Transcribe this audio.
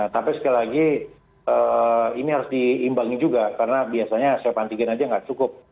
tapi sekali lagi ini harus diimbangi juga karena biasanya swab antigen aja nggak cukup